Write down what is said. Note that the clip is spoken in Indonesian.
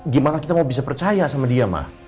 gimana kita mau bisa percaya sama dia mah